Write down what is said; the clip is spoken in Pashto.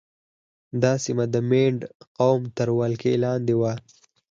دا سیمه د مینډ قوم تر ولکې لاندې وه.